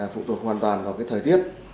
phụ thuộc hoàn toàn vào thời tiết